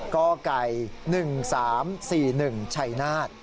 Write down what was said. ก้อก่าย๑๓๔๑ชัยนาศ